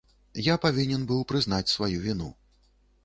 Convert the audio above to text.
Я павінен быў прызнаць сваю віну.